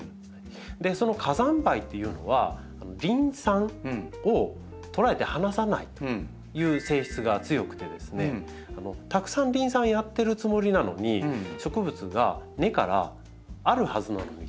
その火山灰っていうのはリン酸をとらえて離さないという性質が強くてですねたくさんリン酸やってるつもりなのに植物が根からあるはずなのに吸えないっていう状態になるんですよ。